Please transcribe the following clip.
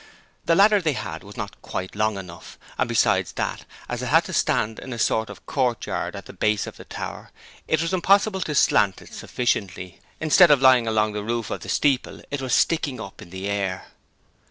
The ladder they had was not quite long enough, and besides that, as it had to stand in a sort of a courtyard at the base of the tower, it was impossible to slant it sufficiently: instead of lying along the roof of the steeple, it was sticking up in the air.